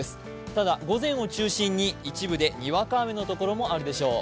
ただ、午前を中心に一部でにわか雨のところもあるでしょう。